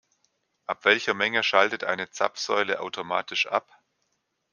Ab welcher Menge schaltet eine Zapfsäule automatisch ab?